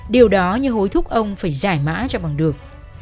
điều đó như hối thúc ông phải giải mã cho bằng được